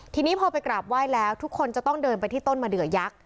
ทีนี้พอไปกราบไหว้แล้วทุกคนจะต้องเดินไปที่ต้นมะเดือยักษ์